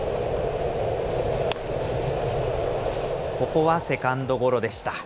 ここはセカンドゴロでした。